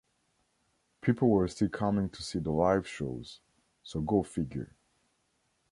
People were still coming to see the live shows, so go figure.